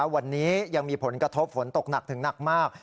วันนี้ยังมีผลกระทบฝนตกหนักถึงหนักมาก